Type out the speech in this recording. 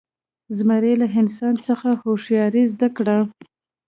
زمري له انسان څخه هوښیاري زده کړه.